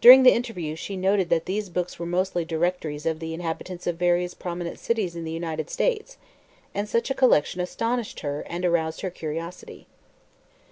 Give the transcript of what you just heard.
During the interview she noted that these books were mostly directories of the inhabitants of various prominent cities in the United States, and such a collection astonished her and aroused her curiosity.